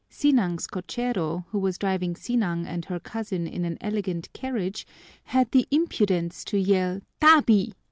Sinang's cochero, who was driving Sinang and her cousin in an elegant carriage, had the impudence to yell "_Tabi!